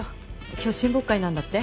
今日親睦会なんだって？